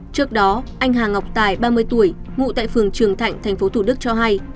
trước đó anh hà ngọc tài ba mươi tuổi ngụ tại phường trường thạnh tp thủ đức cho hay